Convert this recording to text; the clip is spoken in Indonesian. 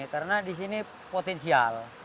karena disini potensial